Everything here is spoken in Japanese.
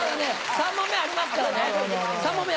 ３問目ありますから。